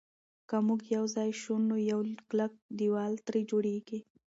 که موږ یو ځای شو نو یو کلک دېوال ترې جوړېږي.